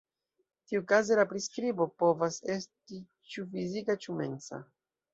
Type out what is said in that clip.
Tiukaze la priskribo povas esti ĉu fizika ĉu mensa.